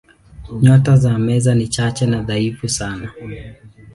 Nyota za Meza ni chache na dhaifu sana.